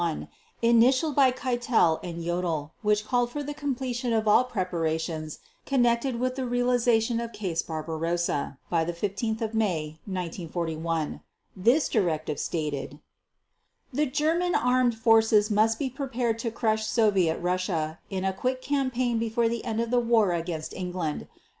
21, initialed by Keitel and Jodl, which called for the completion of all preparations connected with the realization of "Case Barbarossa" by 15 May 1941. This directive stated: "The German armed forces must be prepared to crush Soviet Russia in a quick campaign before the end of the war against England